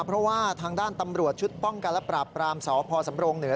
เพราะว่าทางด้านตำรวจชุดป้องกันและปราบปรามสพสำรงเหนือ